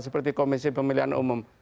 seperti komisi pemilihan umum